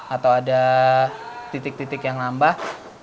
atau ada titik titik yang nambah